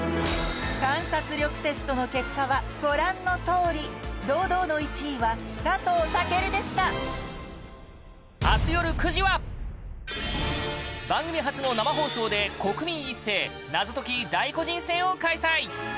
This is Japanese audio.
観察力テストの結果はご覧のとおり堂々の１位は佐藤健でした番組初の生放送で国民一斉謎解き大個人戦を開催！